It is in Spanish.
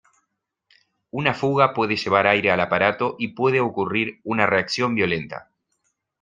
Una fuga puede llevar aire al aparato y puede ocurrir una reacción violenta.